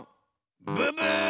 ブブー！